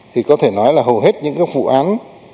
thì có thể nói là hầu hết những vụ án